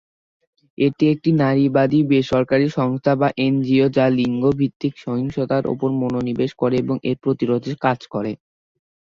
এটি একটি নারীবাদী বেসরকারী সংস্থা বা এনজিও যা লিঙ্গ ভিত্তিক সহিংসতার উপর মনোনিবেশ করে এবং এর প্রতিরোধে কাজ করে।